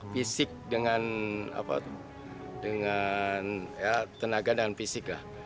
fisik dengan apa itu dengan tenaga dan fisik lah